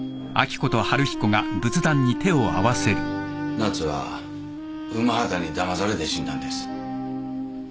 奈津は午端にだまされて死んだんです。